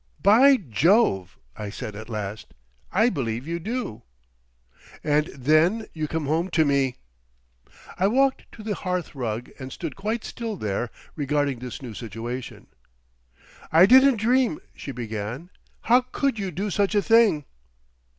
"By Jove!" I said at last, "I believe you do!" "And then you come home to me!" I walked to the hearthrug and stood quite still there regarding this new situation. "I didn't dream," she began. "How could you do such a thing?"